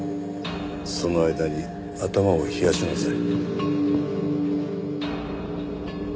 その間に頭を冷やしなさい。